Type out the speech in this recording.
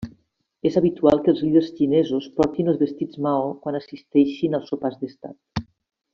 És habitual que els líders xinesos portin els vestits Mao quan assisteixin als sopars d'estat.